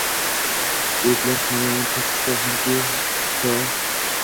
O’liklar hamyonin titsa hamki to